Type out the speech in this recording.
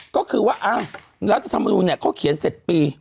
ก็คือว่ารัฐธรรมนุษย์เนี่ยเขาเขียนเสร็จปี๖๐